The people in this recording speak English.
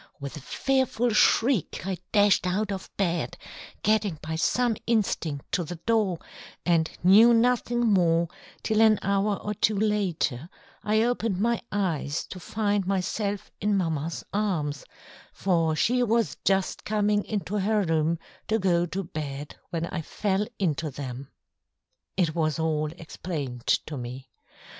With a fearful shriek I dashed out of bed, getting by some instinct to the door, and knew nothing more till an hour or two later I opened my eyes to find myself in mamma's arms, for she was just coming into her room to go to bed when I fell into them! It was all explained to me.